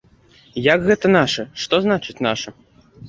Як гэта нашы, што значыць нашы?